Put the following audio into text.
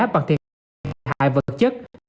bằng thiệt hại vật chất